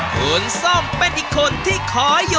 คุณส้มเป็นอีกคนที่ขออยู่